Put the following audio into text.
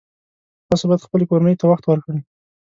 تاسو باید خپلې کورنۍ ته وخت ورکړئ